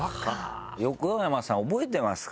横山さん覚えてますか？